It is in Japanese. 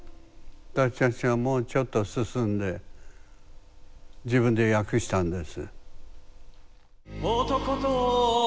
私はもうちょっと進んで自分で訳したんです。